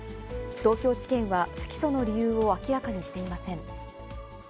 東京地検は不起訴の理由を明らかにしていません。